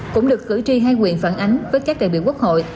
cũng được cử tri hai quyền phản ánh với các đại biểu quốc hội